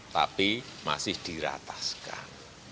tapi masih dirataskan